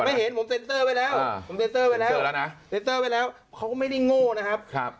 ไม่เห็นไว้แล้วเขาไม่ได้โง่นะครับ